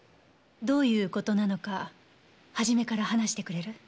どういう事なのか初めから話してくれる？